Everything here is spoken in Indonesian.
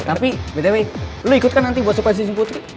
tapi btw lo ikut kan nanti buat supasinsiputri